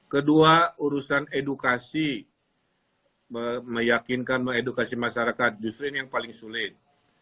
kedua urusan edukasi meyakinkan mengedukasi masyarakat justru ini yang paling sulit